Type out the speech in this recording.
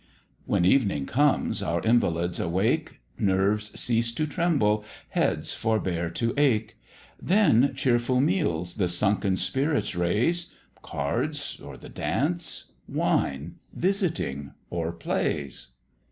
When evening comes, our invalids awake, Nerves cease to tremble, heads forbear to ache; Then cheerful meals the sunken spirits raise, Cards or the dance, wine, visiting, or plays.